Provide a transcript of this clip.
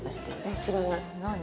知らない。